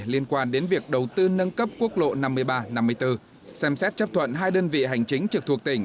liên quan đến việc đầu tư nâng cấp quốc lộ năm mươi ba năm mươi bốn xem xét chấp thuận hai đơn vị hành chính trực thuộc tỉnh